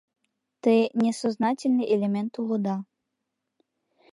Те несознательный элемент улыда.